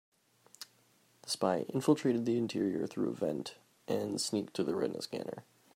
The spy infiltrated the interior through a vent and sneaked to the retina scanner.